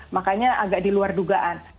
makanya agak diluar dugaan